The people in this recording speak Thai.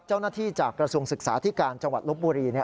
เจ้าหน้าที่จากกระทรวงศึกษาที่การจังหวัดลบบุรี